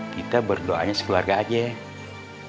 kita berdoanya sekeluarga aja ya